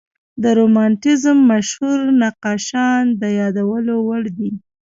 د رومانتیزم مشهور نقاشان د یادولو وړ دي.